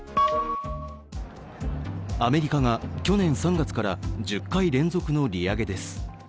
アメリカが去年３月から１０回連続の利上げです。